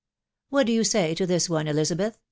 " What do you say to this one, Elizabeth